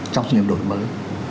trong sự nghiệp đổi mới